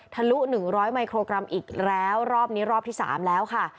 ลุ๑๐๐มิโครกรัมอีกแล้วรอบนี้รอบที่๓แล้วค่ะ